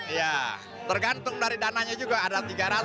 iya tergantung dari dananya juga ada tiga ratus